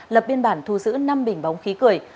lập biên bản thu giữ năm bình bóng khí cười